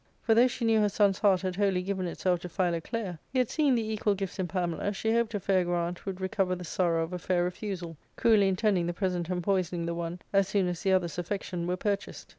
For, though she knew her son's heart had wholly given itself to Philoclea, yet, seeing the equal gifts in Pamela, she hoped a fair grant would recover the sorrow of a fair refusal ; cruelly intending the present empoisoning the one as soon as the other's affection were purchased.